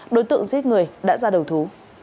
đối tượng giết người đã ra đầu thú